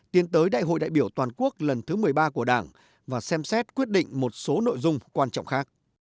tiến tới đại hội đại biểu toàn quốc lần thứ một mươi ba của đảng và xem xét quyết định một số nội dung quan trọng khác